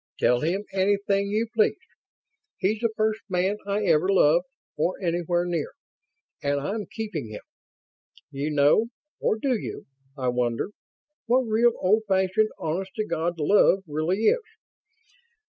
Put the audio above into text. "Tell him anything you please. He's the first man I ever loved, or anywhere near. And I'm keeping him. You know or do you, I wonder? what real, old fashioned, honest to God love really is?